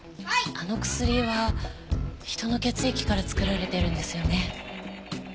あの薬は人の血液から作られているんですよね？